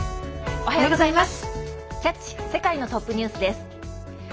おはようございます！